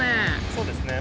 そうですね。